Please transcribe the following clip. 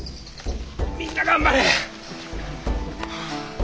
みんな頑張れ！